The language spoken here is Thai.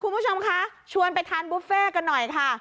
คุณผู้ชมคะชวนไปทานบุฟเฟ่กันหน่อยค่ะ